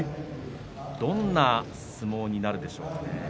どんな相撲になるでしょうかね。